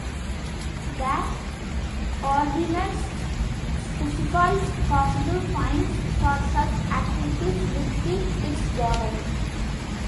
The ordinance specifies possible fines for such activities within its borders.